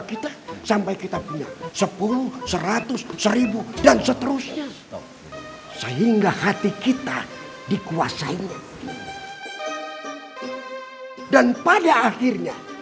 kita sampai kita punya sepuluh seratus ribu dan seterusnya sehingga hati kita dikuasai dan pada akhirnya